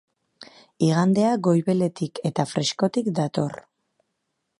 Igandea goibeletik eta freskotik dator.